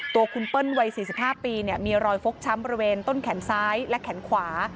ตัวคุณเปิ้ลวัย๔๕ปีมีรอยฟกช้ำบริเวณต้นแขนซ้ายและแขนขวา